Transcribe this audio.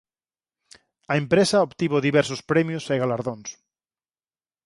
A empresa obtivo diversos premios e galardóns.